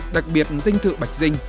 đặc biệt dinh thự bạch dinh